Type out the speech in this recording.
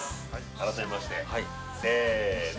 改めましてせの